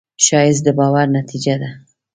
ښایست د باور نتیجه ده